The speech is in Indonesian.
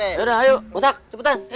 yaudah ayo otak cepetan